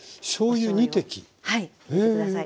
はい入れて下さい。